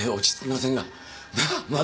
まあ。